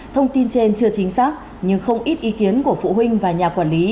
thông tin trên chưa chính xác nhưng không ít ý kiến của phụ huynh và nhà quản lý